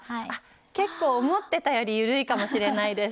結構思ってたより緩いかもしれないです。